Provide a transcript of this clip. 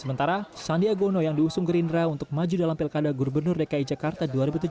sementara sandiaga uno yang diusung gerindra untuk maju dalam pelkada gurbernur dki jakarta dua ribu tujuh belas